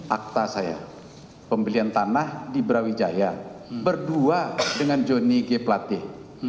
akta saya pembelian tanah di brawijaya berdua dengan johnny g plateh